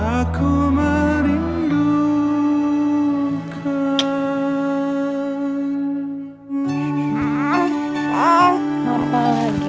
mau apa lagi